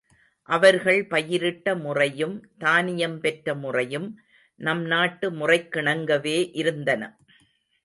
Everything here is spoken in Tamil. அவர்கள் பயிரிட்ட முறையும் தானியம் பெற்ற முறையும் நம் நாட்டு முறைக்கிணங்கவே இருந்தன.